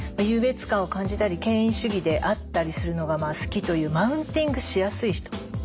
優越感を感じたり権威主義であったりするのが好きというマウンティングしやすい人。